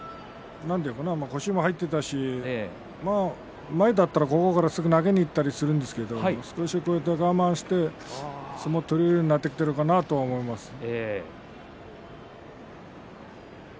腰も入っていたし前だったら、ここからすぐに投げにいったりするんですけど我慢して相撲を取れるようになったのかなと思いますね。